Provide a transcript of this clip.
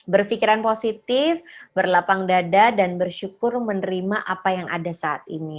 berpikiran positif berlapang dada dan bersyukur menerima apa yang ada saat ini